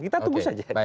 kita tunggu saja